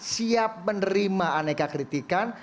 siap menerima aneka kritikan